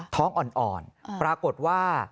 ท้องอ่อนปรากฏว่า